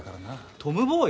トムボーイ？